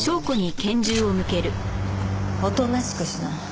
おとなしくしな。